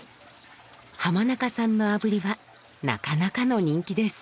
浜中さんのあぶりはなかなかの人気です。